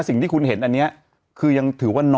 สิ่งที่คุณเห็นอันนี้คือยังถือว่าน้อย